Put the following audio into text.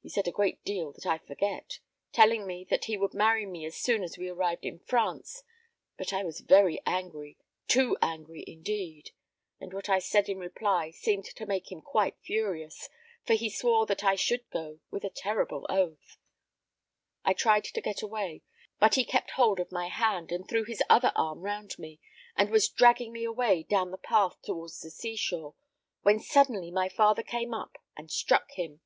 He said a great deal that I forget, telling me that he would marry me as soon as we arrived in France; but I was very angry too angry, indeed and what I said in reply seemed to make him quite furious, for he swore that I should go, with a terrible oath. I tried to get away, but he kept hold of my hand, and threw his other arm round me, and was dragging me away down the path towards the sea shore, when suddenly my father came up and struck him.